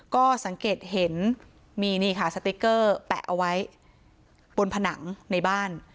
ก็สังเกตเห็นมีนี่ค่ะสติ๊กเกอร์แปะเอาไว้บนผนังในบ้าน